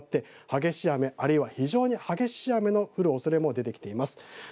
激しい雨、あるいは非常に激しい雨が降るおそれが出てきています。